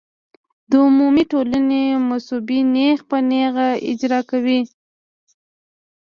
د عمومي ټولنې مصوبې نېغ په نېغه اجرا کوي.